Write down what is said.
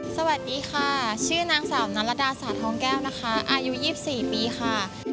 สวัสดีค่ะชื่อนางสาวนรดาสาทองแก้วนะคะอายุ๒๔ปีค่ะ